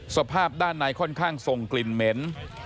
สภาพด้านในค่อนข้างส่งกลิ่นเหม็น